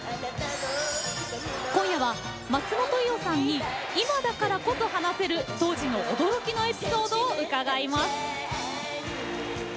今夜は松本伊代さんに今だからこそ話せる当時の驚きのエピソードを伺います。